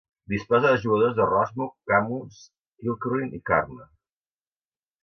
Disposa de jugadors de Rosmuc, Camus, Kilkerrin i Carna.